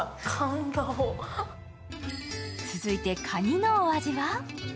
続いてカニのお味は？